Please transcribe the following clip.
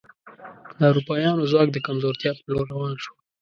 د اروپایانو ځواک د کمزورتیا په لور روان شو.